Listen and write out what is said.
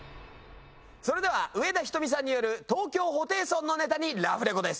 それでは上田瞳さんによる東京ホテイソンのネタにラフレコです。